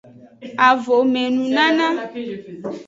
Avome nunana.